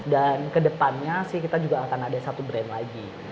dan kedepannya sih kita juga akan ada satu brand lagi